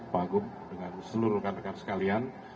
pak agung dengan seluruh kandekar sekalian